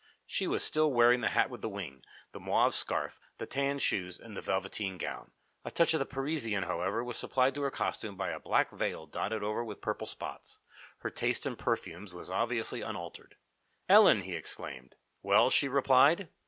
She was still wearing the hat with the wing, the mauve scarf, the tan shoes, and the velveteen gown. A touch of the Parisienne, however, was supplied to her costume by a black veil dotted over with purple spots. Her taste in perfumes was obviously unaltered. "Ellen!" he exclaimed. "Well?" she replied.